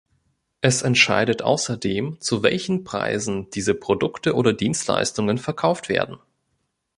Es entscheidet außerdem, zu welchen Preisen diese Produkte oder Dienstleistungen verkauft werden.